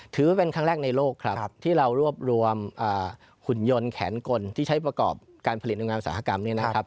ถือว่าเป็นครั้งแรกในโลกครับที่เรารวบรวมหุ่นยนต์แขนกลที่ใช้ประกอบการผลิตโรงงานอุตสาหกรรมเนี่ยนะครับ